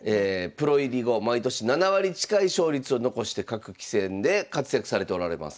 プロ入り後は毎年７割近い勝率を残して各棋戦で活躍されておられます。